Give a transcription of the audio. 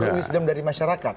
wisdom dari masyarakat